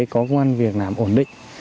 có quan việc làm ổn định